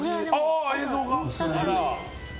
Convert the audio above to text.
あ、映像が。